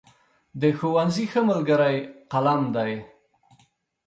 د ښوونځي ښه ملګری قلم دی.